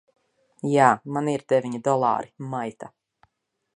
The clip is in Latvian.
Jā. Man ir deviņi dolāri, maita!